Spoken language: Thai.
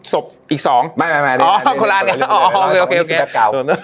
สบอีกสองไม่ไม่ไม่อ๋อคนร้านเนี้ยอ๋อโอเคโอเคโอเคโอเค